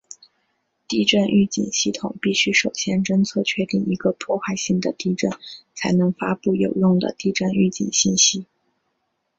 地震预警系统必须首先侦测确定一个破坏性的地震后才能发布有用的地震预警信息。